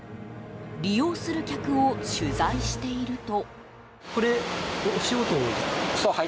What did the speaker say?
利用する客を取材していると。